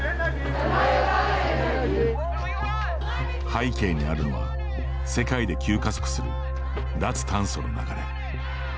背景にあるのは世界で急加速する脱炭素の流れ。